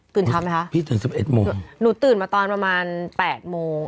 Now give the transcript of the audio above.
เช้าไหมคะพี่ตื่นสิบเอ็ดโมงหนูตื่นมาตอนประมาณแปดโมง